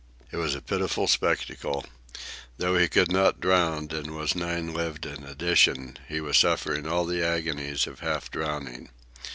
It was a pitiful spectacle. Though he could not drown, and was nine lived in addition, he was suffering all the agonies of half drowning.